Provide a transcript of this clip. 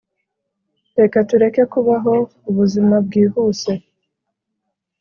reka tureke kubaho ubuzima bwihuse